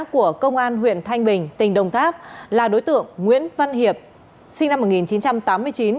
của công an huyện thanh bình tỉnh đồng tháp là đối tượng nguyễn văn hiệp sinh năm một nghìn chín trăm tám mươi chín